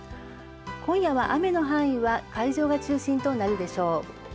今夜は雨の範囲は海上が中心となるでしょう。